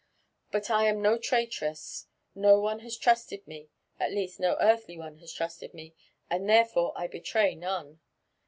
But I am no traitress; no one has trusted me — at least no earthly one has trusted me, and therefore I betray none.